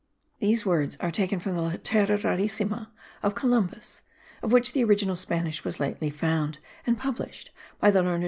] These words are taken from the Lettera Rarissima of Columbus, of which the original Spanish was lately found, and published by the learned M.